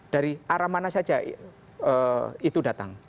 dari arah mana saja itu datang